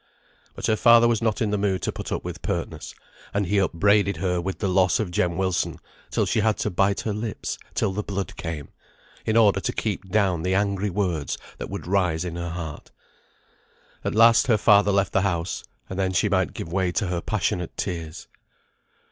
But her father was not in the mood to put up with pertness, and he upbraided her with the loss of Jem Wilson till she had to bite her lips till the blood came, in order to keep down the angry words that would rise in her heart. At last her father left the house, and then she might give way to her passionate tears.